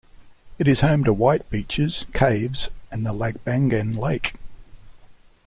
It is home to white beaches, caves, and the Lagbangan Lake.